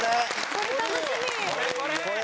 これ楽しみ！